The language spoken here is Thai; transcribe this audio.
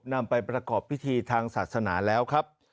นำไปประกอบพิธีทางศาสนาแล้วครับ